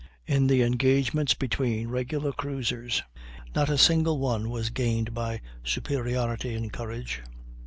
In the engagements between regular cruisers, not a single one was gained by superiority in courage.